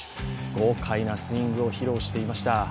豪快なスイングを披露していました。